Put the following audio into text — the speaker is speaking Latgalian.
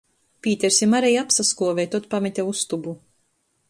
Pīters i Mareja apsaskuove i tod pamete ustobu.